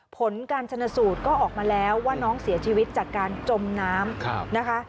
ผลการชนสูตรก็ออกมาแล้วว่าน้องเสียชีวิตจากการจมน้ำนะคะ